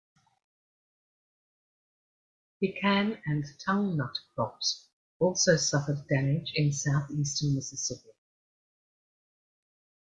Pecan and tung nut crops also suffered damage in southeastern Mississippi.